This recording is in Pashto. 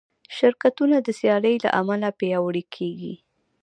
شرکتونه د سیالۍ له امله پیاوړي کېږي.